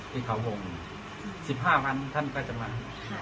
ที่เขาวงสิบห้าพันท่านก็จะมาค่ะ